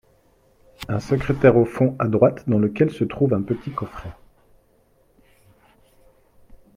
Un secrétaire au fond, à droite, dans lequel se trouve un petit coffret.